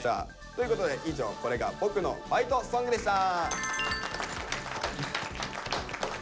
ということで以上「これが僕のファイトソング」でした。